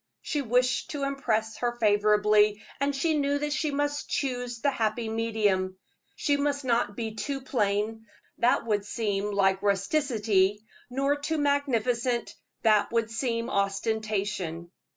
She wished to impress her favorably, and she knew that she must choose the happy medium. She must not be too plain that would seem like rusticity: nor too magnificent that would be ostentation.